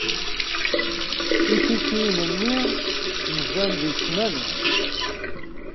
Itikiyen-nni nzan deg ssmana.